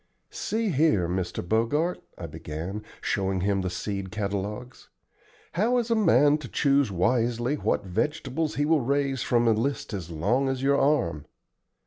"See here, Mr. Bogart," I began, showing him the seed catalogues, "how is a man to choose wisely what vegetables he will raise from a list as long as your arm?